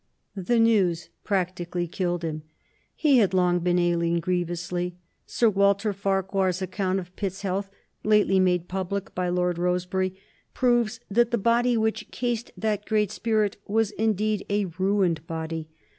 The news practically killed him. He had long been ailing grievously. Sir Walter Farquhar's account of Pitt's health, lately made public by Lord Rosebery, proves that the body which cased that great spirit was indeed a ruined body.